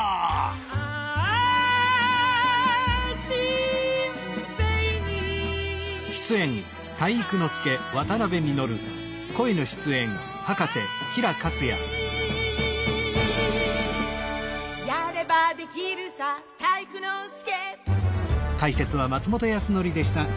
「あぁ、人生に体育あり」「やればできるさ、体育ノ介」